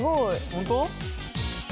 本当？